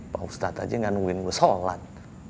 pak ustadz aja gak nungguin gue sholat